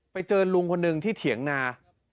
ไปเจอลุงคนหนึ่งที่เถียงนา